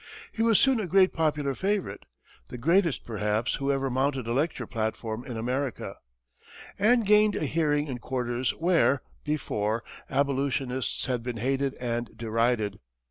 He was soon a great popular favorite the greatest, perhaps, who ever mounted a lecture platform in America, and gained a hearing in quarters where, before, abolitionists had been hated and derided.